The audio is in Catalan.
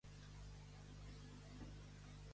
Torna a posar l'últim "Polònia".